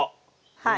はい。